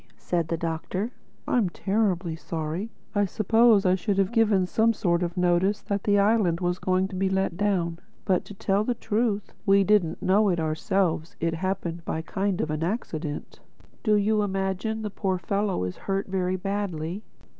said the Doctor. "I'm terribly sorry. I suppose I should have given some sort of notice that the island was going to be let down. But, to tell the truth, we didn't know it ourselves; it happened by a kind of an accident. Do you imagine the poor fellow is hurt very badly?"